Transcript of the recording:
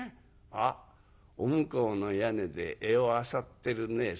あっお向こうの屋根で餌をあさってるね。